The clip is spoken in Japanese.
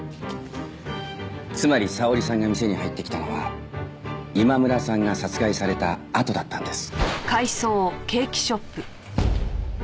つまり沙織さんが店に入ってきたのは今村さんが殺害されたあとだったんです。